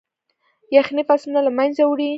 يخني فصلونه له منځه وړي.